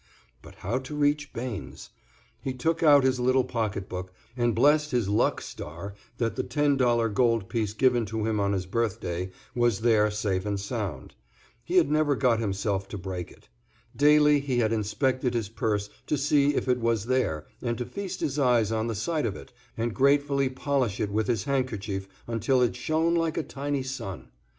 But how to reach Bains? He took out his little pocketbook and blessed his luck star that the ten dollar gold piece given to him on his birthday was there safe and sound. He had never got himself to break it. Daily he had inspected his purse to see if it was there and to feast his eyes on the sight of it and gratefully polish it with his handkerchief until it shone like a tiny sun.